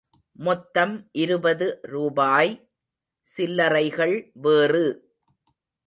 மொத்தம் இருபது ரூபாய்! – சில்லறைகள் வேறு!